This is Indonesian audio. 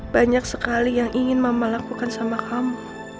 banyak sekali yang ingin mama lakukan sama kamu